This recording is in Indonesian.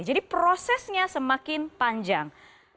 jadi prosesnya semakin panjang